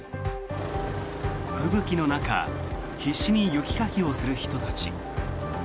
吹雪の中必死に雪かきをする人たち。